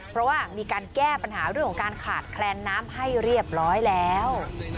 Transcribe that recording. เพราะว่ามีการแก้ปัญหาเรื่องของการขาดแคลนน้ำให้เรียบร้อยแล้ว